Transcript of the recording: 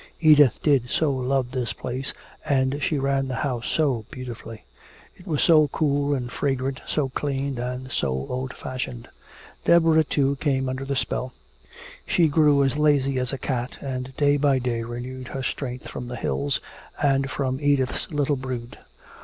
Edith did so love this place and she ran the house so beautifully. It was so cool and fragrant, so clean and so old fashioned. Deborah, too, came under the spell. She grew as lazy as a cat and day by day renewed her strength from the hills and from Edith's little brood.